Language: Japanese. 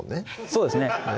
そうですね